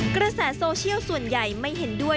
กระแสโซเชียลส่วนใหญ่ไม่เห็นด้วย